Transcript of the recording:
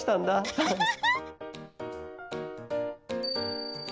アハハハ！